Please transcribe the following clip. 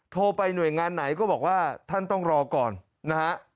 โทรไปหน่วยงานไหนก็บอกว่าท่านต้องรอก่อนนะฮะ